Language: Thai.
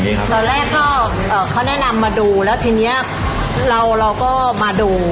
ตอนแรกก็เขาแนะนำมาดูแล้วทีเนี้ยเราเราก็มาดู